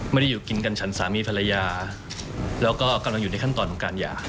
อยู่กินกันฉันสามีภรรยาแล้วก็กำลังอยู่ในขั้นตอนของการหย่า